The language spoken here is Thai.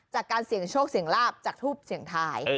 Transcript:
จากการเสี่ยงโชคเสี่ยงลาบจากทูปเสียงทาย